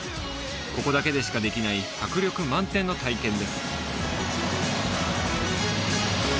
ここだけでしかできない迫力満点の体験です